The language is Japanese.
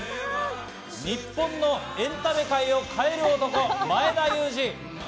日本のエンタメ界を変える男、前田裕二。